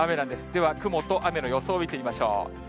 では、雲と雨の予想を見てみましょう。